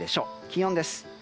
気温です。